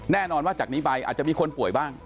แน่นอนว่าจากนี้ไปอาจจะมีคนป่วยบ้าง